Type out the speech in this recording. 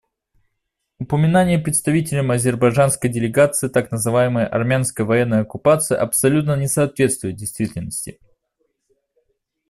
Упоминание представителем азербайджанской делегации так называемой армянской военной оккупации абсолютно не соответствует действительности.